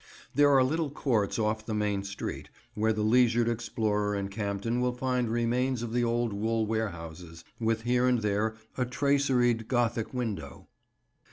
There are little courts off the main street where the leisured explorer in Campden will find remains of the old wool warehouses, with here and there a traceried Gothic window.